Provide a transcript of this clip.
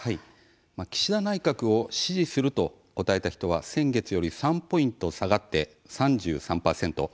岸田内閣を「支持する」と答えた人は先月より３ポイント下がって３３％。